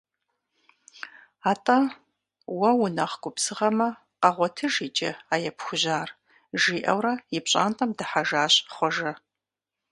АтӀэ уэ унэхъ губзыгъэмэ, къэгъуэтыж иджы а епхужьар, - жиӀэурэ и пщӀантӀэм дыхьэжащ Хъуэжэ.